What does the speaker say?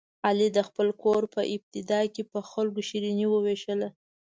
علي د خپل کور په ابتدا کې په خلکو شیریني ووېشله.